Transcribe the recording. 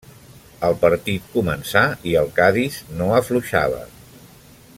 El partit començà i el Cadis no afluixava.